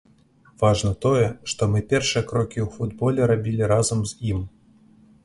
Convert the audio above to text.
Важна тое, што мы першыя крокі ў футболе рабілі разам з ім.